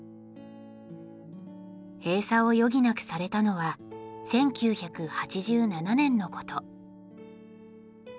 閉鎖を余儀なくされたのは１９８７年のこと。